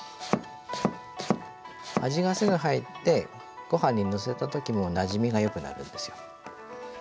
味がすぐ入ってご飯にのせた時もなじみがよくなるんですよ。